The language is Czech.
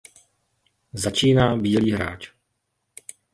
Začíná bílý hráč.